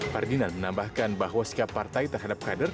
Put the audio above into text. ferdinand menambahkan bahwa sikap partai terhadap kader